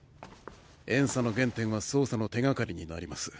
怨嗟の原点は捜査の手掛かりになります。